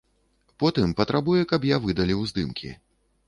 Потым патрабуе, каб я выдаліў здымкі.